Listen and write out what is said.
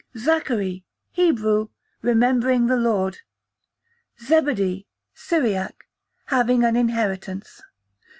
Zachary, Hebrew, remembering the Lord. Zebedee, Syriac, having an inheritance.